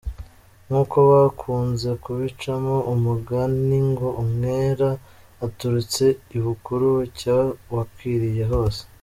Nkuko bakunze kubicamo umugani ngo “umwera uturutse I Bukuru bucya wakwiriye hose”.